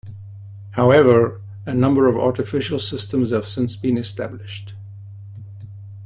However, a number of artificial systems have since been established.